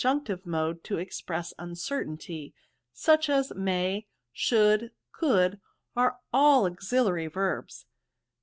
unctive mode to express uncertainty ; such as, may, should^ aouldy are all auxiliary verbs.